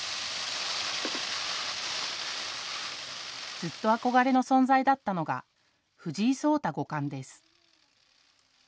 ずっと憧れの存在だったのが藤井聡太五冠です。